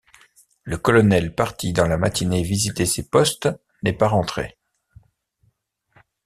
Le colonel parti dans la matinée visiter ses postes n'est pas rentré.